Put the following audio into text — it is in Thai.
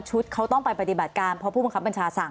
คุณผู้ชมพระคือคนละเรื่องกันเลยว่ามีอาวุธปืนแน่นอน